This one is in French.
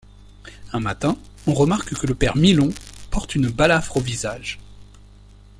Un matin, on remarque que le père Milon porte une balafre au visage.